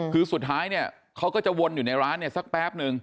คือสุดท้ายเนี่ยเขาก็จะวนอยู่ในร้านเนี่ยสักแป๊บนึง